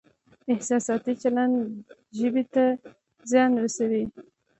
احساساتي چلند ژبې ته زیان رسوي.